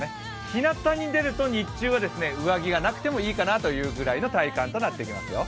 ひなたに出ると日中は上着がなくても大丈夫かなという体感になってきますよ。